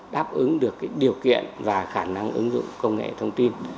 đáp ứng được điều kiện và khả năng ứng dụng công nghệ thông tin